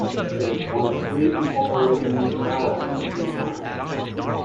It is one of three incorporated municipalities in the county.